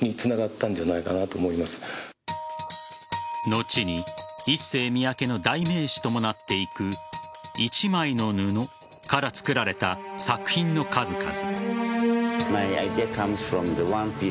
後にＩＳＳＥＹＭＩＹＡＫＥの代名詞ともなっていく一枚の布から作られた作品の数々。